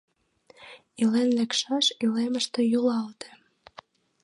Илен лекшаш илемыштым йӱлалте.